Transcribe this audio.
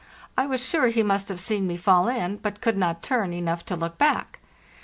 I was sure he must have seen me fall in, but could not turn enough to look back.